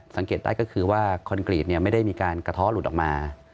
สังเกตได้ก็คือว่าคอนกรีตไม่ได้มีการกระท้อหลุดออกมา